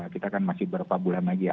kita kan masih beberapa bulan lagi ya